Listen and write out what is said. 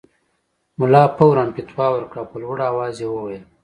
ملا فوراً فتوی ورکړه او په لوړ اواز یې وویل.